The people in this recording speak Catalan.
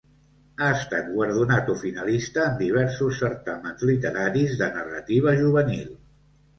Ha estat guardonat o finalista en diversos certàmens literaris de narrativa juvenil.